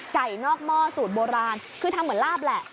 นอกหม้อสูตรโบราณคือทำเหมือนลาบแหละ